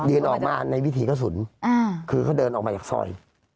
เดินออกมาในวิถีกระสุนคือเขาเดินออกมาจากซอย